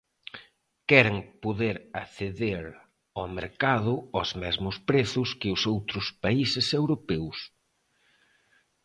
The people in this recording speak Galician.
Queren poder acceder ao mercado aos mesmos prezos que os outros países europeos.